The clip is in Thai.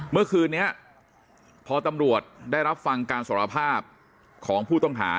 เมื่อคืนนี้พอตำรวจได้รับฟังการสารภาพของผู้ต้องหา